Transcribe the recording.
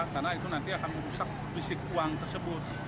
karena itu nanti akan merusak risik uang tersebut